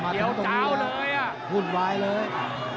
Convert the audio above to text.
เดี๋ยวเจ้าเลยอะหุ่นวายเลย